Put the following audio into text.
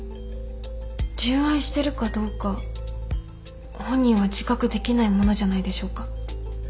純愛してるかどうか本人は自覚できないものじゃないでしょうか。